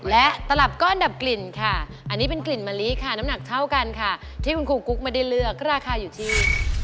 และตลับก้อนดับกลิ่นค่ะอันนี้เป็นกลิ่นมะลิค่ะน้ำหนักเท่ากันค่ะที่คุณครูกุ๊กไม่ได้เลือกราคาอยู่ที่